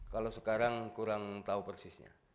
kalau sekarang kurang tahu persisnya